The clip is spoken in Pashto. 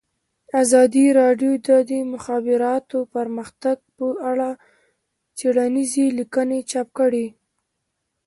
ازادي راډیو د د مخابراتو پرمختګ په اړه څېړنیزې لیکنې چاپ کړي.